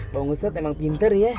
bang ustadz memang pinter ya